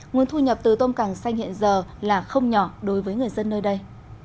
nguồn thu nhập từ tôm càng xanh hiện giờ là không nhỏ đối với người dân nơi đây